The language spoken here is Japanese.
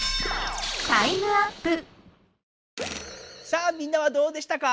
さあみんなはどうでしたか？